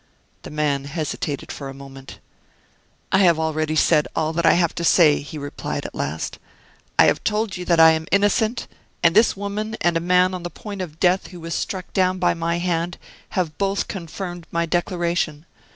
The man hesitated for a moment. "I have already said all that I have to say," he replied, at last. "I have told you that I am innocent; and this woman and a man on the point of death who was struck down by my hand, have both confirmed my declaration.